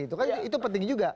itu kan itu penting juga